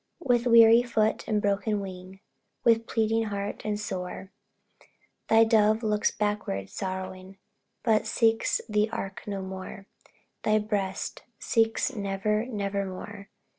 With weary foot, and broken wing, With bleeding heart, and sore, Thy Dove looks backward, sorrowing, But seeks the ark no more thy breast Seeks never, never more.